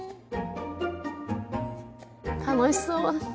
楽しそう。